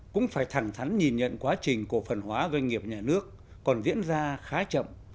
cũng phải thẳng thắn nhìn nhận quá trình cổ phần hóa doanh nghiệp nhà nước còn diễn ra khá chậm